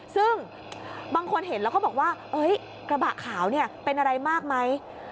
ซึ่งบางคนเห็นแล้วก็บอกว่ากระบะขาวเป็นอะไรมากไหม